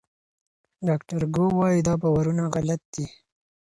ډاکټر ګو وايي دا باورونه غلط دي.